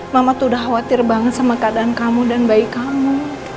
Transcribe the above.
mama tuh udah khawatir banget sama keadaan kamu dan bayi kamu